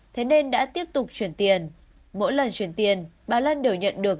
bà lân đã tiếp tục chuyển tiền mỗi lần chuyển tiền bà lân đều nhận được